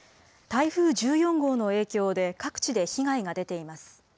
台風１４号の影響で各地で被害が出ています。